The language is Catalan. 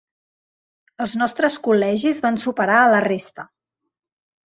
Els nostres col·legis van superar a la resta.